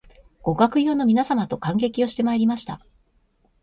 ご学友の皆様と観劇をしてまいりました